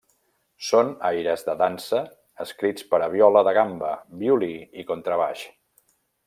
Són aires de dansa escrits per a viola de gamba, violí i contrabaix.